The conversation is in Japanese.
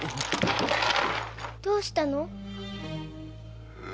どうしたの？